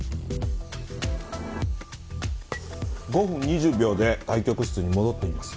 ５分２０秒で対局室に戻っています。